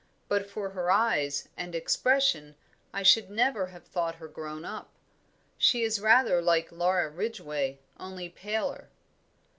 But for her eyes, and expression, I should never have thought her grown up. She is rather like Laura Ridgway, only paler."